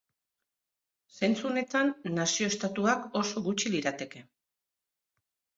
Zentzu honetan, nazio-estatuak oso gutxi lirateke.